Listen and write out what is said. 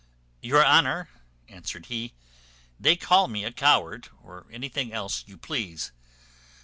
"Your honour," answered he, "may call me coward, or anything else you please.